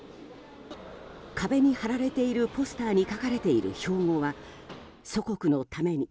壁に貼られているポスターに書かれている標語は「祖国のために」